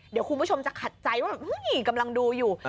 เดี๋ยวคุณผู้ชมจะขัดใจว่ากำลังดูอยู่